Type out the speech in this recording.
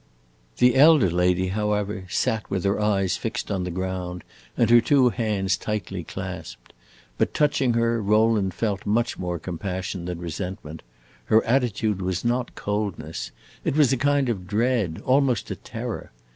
The elder lady, however, sat with her eyes fixed on the ground and her two hands tightly clasped. But touching her Rowland felt much more compassion than resentment; her attitude was not coldness, it was a kind of dread, almost a terror.